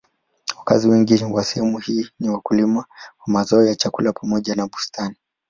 Wakazi wengi wa sehemu hii ni wakulima wa mazao ya chakula pamoja na bustani.